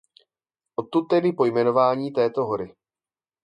Odtud tedy pojmenování této hory.